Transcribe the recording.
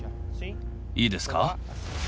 いいですか？